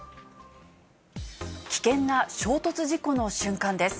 危険な衝突事故の瞬間です。